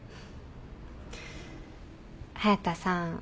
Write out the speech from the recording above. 隼田さん。